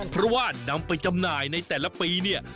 เพราะว่านำไปจำหน่ายในแต่ละปีเนี่ย